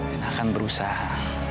dan akan berusaha